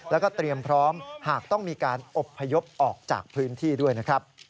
แล้วก็เตรียมพร้อมหากต้องมีการอบพยพออกจากพื้นที่ด้วยนะครับ